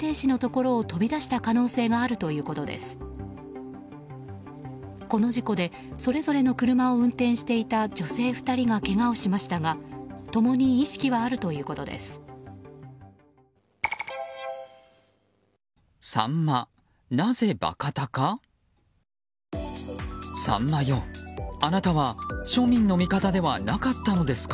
この事故で、それぞれの車を運転していた女性２人がけがをしましたが共に意識はあるということです。